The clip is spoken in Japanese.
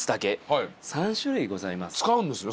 この使うんですね